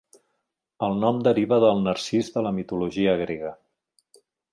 El nom deriva del Narcís de la mitologia grega.